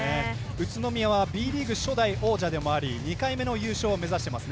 宇都宮はＢリーグ初代王者でもあり２回目の優勝を目指しています。